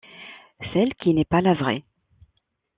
Celle qui n’est pas la vraie.